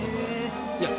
いや。